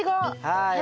はい。